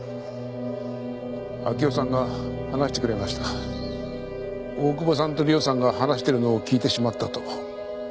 明生さんが話してくれました大久保さんと里緒さんが話してるのを聞いてしまったと。